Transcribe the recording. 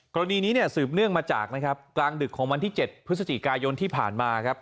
กรณีนี้เนี่ยสืบเนื่องมาจากนะครับกลางดึกของวันที่๗พฤศจิกายนที่ผ่านมาครับ